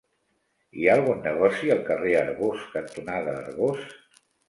Hi ha algun negoci al carrer Arbós cantonada Arbós?